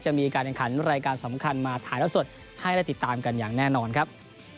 จะมีการแข่งขันรายการสำคัญมาถ่ายแล้วสดให้ได้ติดตามกันอย่างแน่นอนครับ